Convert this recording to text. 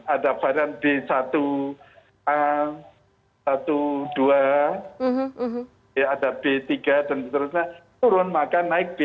ada varian b satu a dua ada b tiga dan seterusnya turun maka naik b